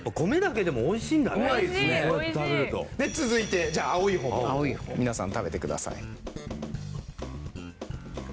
続いてじゃあ青い方も皆さん食べてください。